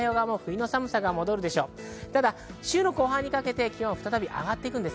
週の後半にかけて気温は再び上がっていくんです。